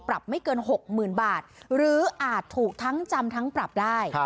ไม่เกิน๖๐๐๐บาทหรืออาจถูกทั้งจำทั้งปรับได้